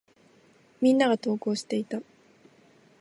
皆が登校していた。